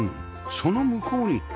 その向こうに